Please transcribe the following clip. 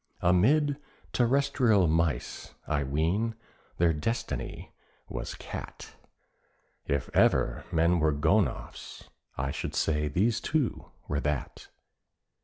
Amid terrestrial mice, I ween, their destiny was Cat; If ever men were gonoffs, I should say these two were that.